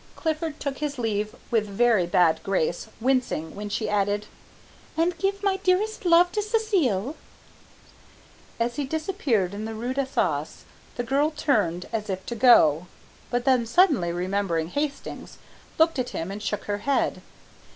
Clifford took his leave with very bad grace, wincing, when she added, "And give my dearest love to Cécile!" As he disappeared in the rue d'Assas, the girl turned as if to go, but then suddenly remembering Hastings, looked at him and shook her head.